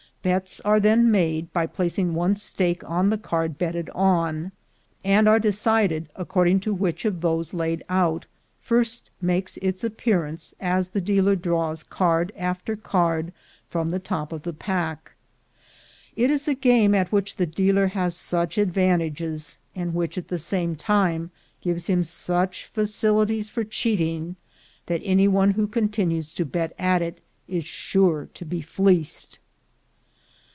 Bets are then made by placing one's stake on the card betted on; and are decided according to which of those laid out first makes its appearance, as the dealer draws card after card from the top of the pack. It is a game at which the dealer has such advantages, and which, at the same time, gives him such facilities for cheating, that any one who con tinues to bet at it is sure to be fleeced.